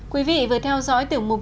quý vị vừa theo dõi tiểu mục